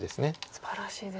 すばらしいですね。